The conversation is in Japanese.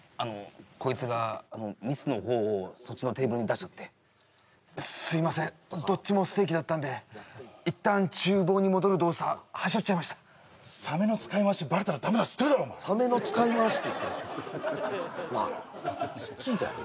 こいつがミスの方をそっちのテーブルに出しちゃってすいませんどっちもステーキだったんで一旦厨房に戻る動作はしょっちゃいました冷めの使い回しバレたらダメだって言ってるだろ「冷めの使い回し」って言ってるなあ聞いたやろ？